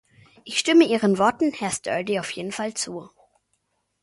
Ich stimme Ihren Worten, Herr Sturdy, auf jeden Fall zu.